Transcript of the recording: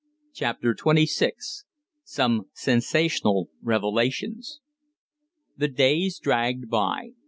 CHAPTER TWENTY SIX "SOME SENSATIONAL REVELATIONS" The days dragged by.